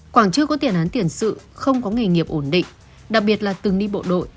quảng chưa có tiền án tiền sự không có nghề nghiệp ổn định đặc biệt là từng đi bộ đội